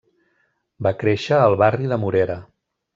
Va créixer al barri de Morera.